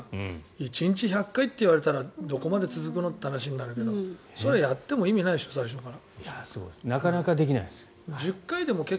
１日１００回って言われたらどこまで続くのって話になるけどそれはやっても意味がないでしょ最初から。